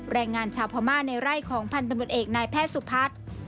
แรงงานชาวพม่าในไร่ของพันธุ์ตำรวจเอกนายแพทย์สุพัฒน์